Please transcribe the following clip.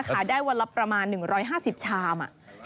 ขายได้วันละประมาณ๑๕๐ชาม